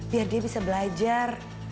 biar dia bisa belajar